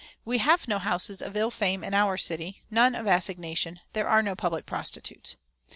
"We have no houses of ill fame in our city; none of assignation; there are no public prostitutes.